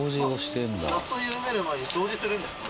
ナットを緩める前に掃除するんですか？